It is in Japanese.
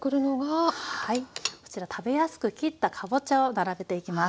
はいこちら食べやすく切ったかぼちゃを並べていきます。